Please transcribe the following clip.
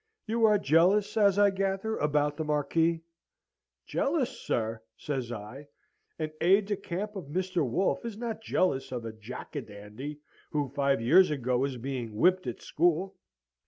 'You are jealous, as I gather, about the Marquis?' "'Jealous, sir!' says I. 'An aide de camp of Mr. Wolfe is not jealous of a Jack a dandy who, five years ago, was being whipped at school!'